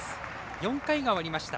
４回が終わりました。